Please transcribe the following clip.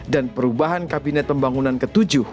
dan perubahan kabinet pembangunan ke tujuh